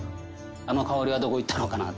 あの香りはどこにいったのかな？